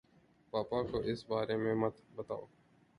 پاپا کو اِس بارے میں مت بتاؤ